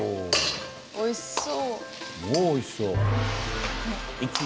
おいしそう。